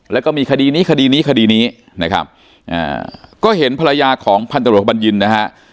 แล้วก็มีคดีนี้คดีนี้คดีนี้นะครับอ่าก็เห็นภรรยาของพันตรวจบัญญินนะฮะ